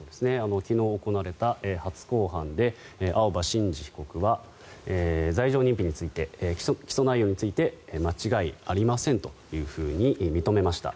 昨日行われた初公判で青葉真司被告は起訴内容について間違いありませんと認めました。